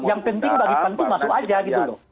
yang penting bagi pan itu masuk aja gitu loh